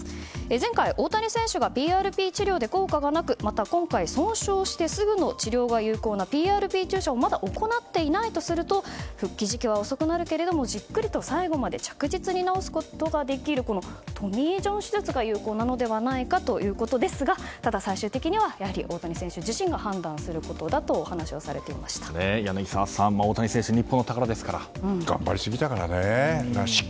前回、大谷選手がＰＲＰ治療で効果がなくまた今回、損傷してすぐの治療が有効なＰＲＰ注射をまだ行っていないとすると復帰時期は遅くなるがじっくりと最後まで着実に治すことができるトミー・ジョン手術が有効なのではないかということですが最終的には大谷選手自身が判断することだと柳澤さん、大谷選手頑張りすぎたからね。